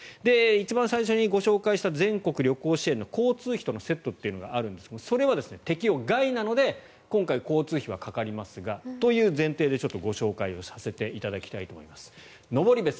一番最初にご紹介した全国旅行支援の交通費とのセットというのがあるんですがそれは適用外なので今回交通費はかかりますがという前提でご紹介をさせていただきたいと思います。